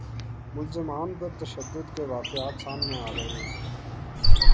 ملزمان پر تشدد کے واقعات سامنے آ رہے ہیں